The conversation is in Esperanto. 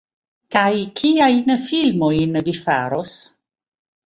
Kaj kiajn filmojn vi faros?